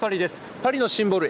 パリのシンボル